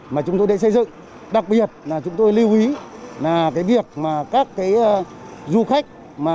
mà chúng tôi đã xây dựng đặc biệt là chúng tôi lưu ý việc các du khách